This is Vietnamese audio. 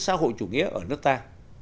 xã hội chủ nghĩa ở nước ta